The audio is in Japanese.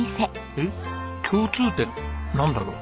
えっ共通点なんだろう？